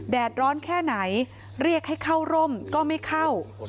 ร้อนแค่ไหนเรียกให้เข้าร่มก็ไม่เข้า